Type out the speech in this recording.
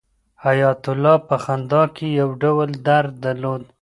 حیات الله په خندا کې یو ډول درد درلود.